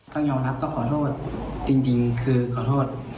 ต้องยอมรับต้องขอโทษจริงคือขอโทษ